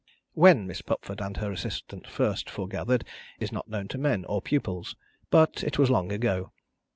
When Miss Pupford and her assistant first foregathered, is not known to men, or pupils. But, it was long ago.